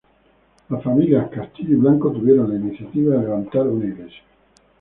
Las familias Castillo y Blanco tuvieron la iniciativa de levantar una iglesia.